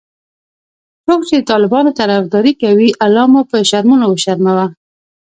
څوک چې د طالبانو طرفدارې کوي الله مو به شرمونو وشرموه😖